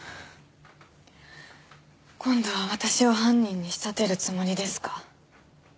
今度は私を犯人に仕立てるつもりですか？